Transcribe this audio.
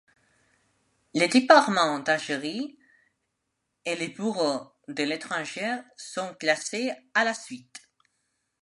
Les départements d'Algérie et les bureaux de l'étranger sont classés à la suite.